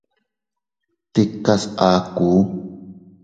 Tikas aku.